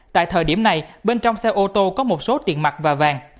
tại thời điểm này bên trong xe ô tô có một số tiền mặt và vàng